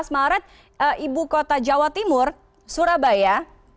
lima belas maret ibu kota jawa timur surabaya